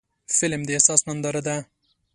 فلم د احساس ننداره ده